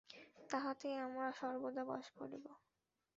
তাঁহাতেই আমরা সর্বদা বাস করিব।